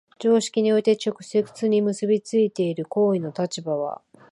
常識において直接に結び付いている行為の立場は、